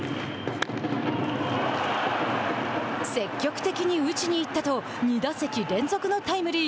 積極的に打ちに行ったと２打席連続のタイムリー。